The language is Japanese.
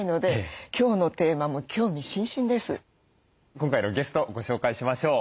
今回のゲストをご紹介しましょう。